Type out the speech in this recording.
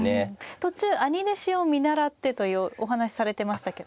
途中兄弟子を見習ってというお話されてましたけど